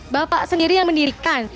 bapak sendiri yang mendirikan